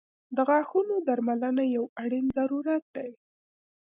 • د غاښونو درملنه یو اړین ضرورت دی.